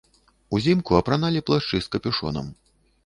Узімку апраналі плашчы з капюшонам.